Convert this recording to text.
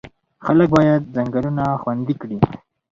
خلک باید ځنګلونه خوندي کړي.